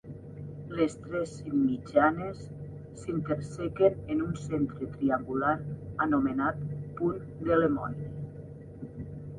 Les tres simmitjanes s'intersequen en un centre triangular anomenat punt de Lemoine.